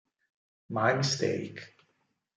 My Mistake